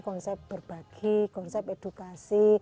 konsep berbagi konsep edukasi